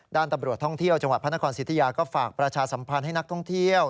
ด้านตำรวจท่องเที่ยวจังหวัดพระนครสิทธิยาก็ฝากประชาสัมพันธ์ให้นักท่องเที่ยว